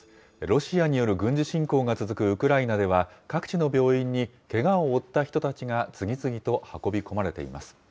ロシアによる軍事侵攻が続くウクライナでは、各地の病院に、けがを負った人たちが次々と運び込まれています。